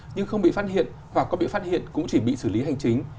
nhưng không bị phát hiện hoặc có bị phát hiện cũng chỉ bị xử lý hành chính